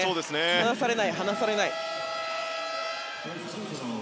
離されない、離されない。